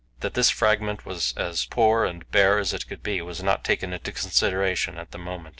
That this fragment was as poor and bare as it could be was not taken into consideration at the moment.